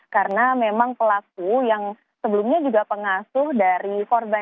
karena memang pelaku yang sebelumnya juga pengasuh dari korban